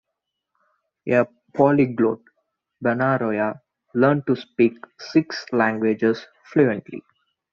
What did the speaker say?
A polyglot, Benaroya learned to speak six languages fluently.